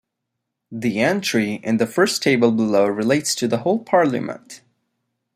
The entry in the first table below relates to the whole Parliament.